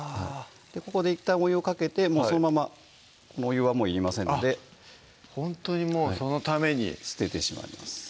ここでいったんお湯をかけてそのままお湯はいりませんのでほんとにもうそのために捨ててしまいます